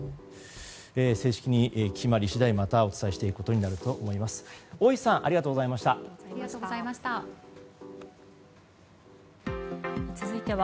正式に決まり次第また、お伝えしていくことになると思います。